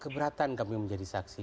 keberatan kami menjadi saksi